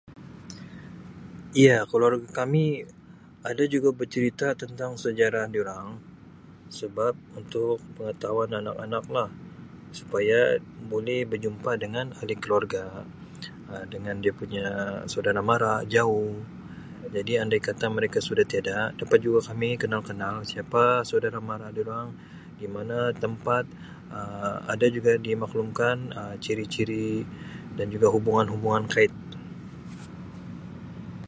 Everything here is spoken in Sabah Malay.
Iya, keluarga kami ada juga bercerita tentang sejarah dorang sebab untuk pengetahuan anak-anak lah supaya boleh berjumpa dengan ahli keluarga Um dengan dia punya saudara mara jauh jadi andai kata mereka sudah tiada dapat juga kami kenal-kenal siapa saudara mara dorang di mana tempat Um ada juga dimaklumkan Um ciri-ciri dan juga hubungan-hubungan kait.